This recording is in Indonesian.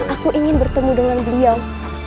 aku ingin bertemu dengan beliau